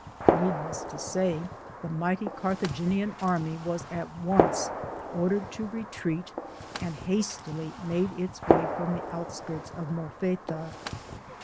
Need less to say the mighty Carthaginian army was at once ordered to retreat and hastily made its way from the outskirts of Molfetta.